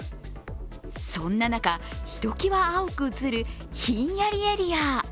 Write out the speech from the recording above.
そんな中、ひときわ青く映るひんやりエリア。